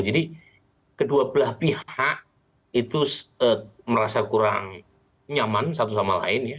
jadi kedua belah pihak itu merasa kurang nyaman satu sama lain ya